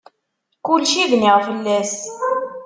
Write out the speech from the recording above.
Kulci bniɣ fell-as.